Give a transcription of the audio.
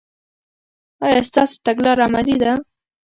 آیا ستاسو تګلاره عملي ده؟